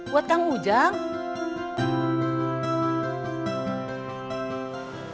buat kamu ujang